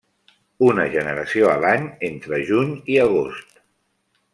Una generació a l'any entre juny i agost.